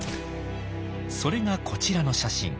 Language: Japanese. それがこちらの写真。